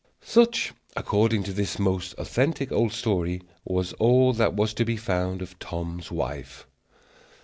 Such, according to this most authentic old story, was all that was to be found of Tom's wife.